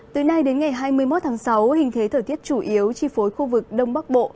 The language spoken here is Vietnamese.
từ nay đến ngày hai mươi một tháng sáu hình thế thời tiết chủ yếu chi phối khu vực đông bắc bộ